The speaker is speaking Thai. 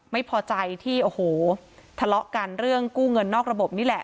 ไม่พอใจที่โอ้โหทะเลาะกันเรื่องกู้เงินนอกระบบนี่แหละ